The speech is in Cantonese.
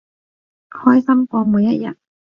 開心過每一日